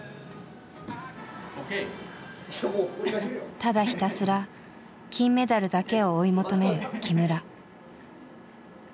ただひたすら金メダルだけを追い求める木村。